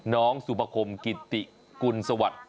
น้องสุปคมกิติกุลสวัสดิ์